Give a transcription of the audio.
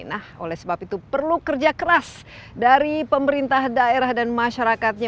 nah oleh sebab itu perlu kerja keras dari pemerintah daerah dan masyarakatnya